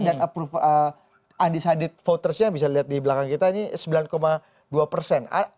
approve undecided votersnya yang bisa dilihat di belakang kita ini sembilan dua persen